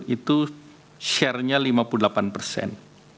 itu share nya lima puluh delapan persen